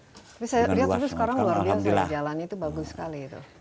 tapi saya lihat sekarang luar biasa berjalan itu bagus sekali